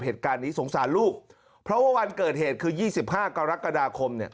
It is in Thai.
เหตุการณ์นี้สงสารลูกเพราะว่าวันเกิดเหตุคือ๒๕กรกฎาคมเนี่ย